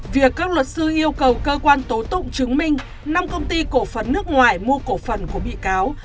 việc các luật sư yêu cầu cơ quan tố tụng chứng minh năm công ty cổ phần nước ngoài mua cổ phần của bị cáo